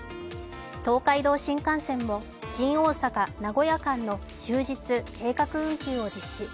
東海道新幹線も新大阪ー名古屋間の終日計画運休を実施。